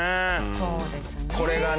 そうですね。